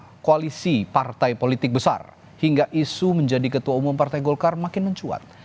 dari koalisi partai politik besar hingga isu menjadi ketua umum partai golkar makin mencuat